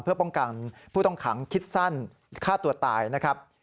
เพื่อป้องกันผู้ต้องขังคิดสั้นฆ่าตัวตายนะครับ